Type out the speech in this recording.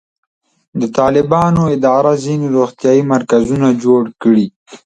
د طالبانو اداره ځینې روغتیایي مرکزونه جوړ کړي.